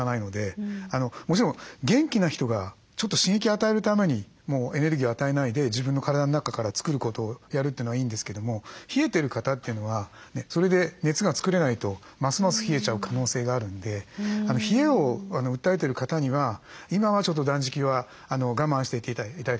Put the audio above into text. もちろん元気な人がちょっと刺激与えるためにエネルギーを与えないで自分の体の中から作ることをやるっていうのはいいんですけども冷えてる方っていうのはそれで熱が作れないとますます冷えちゃう可能性があるんで冷えを訴えてる方には今はちょっと断食は我慢して頂けませんかと。